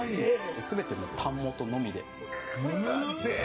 全てタン元のみで。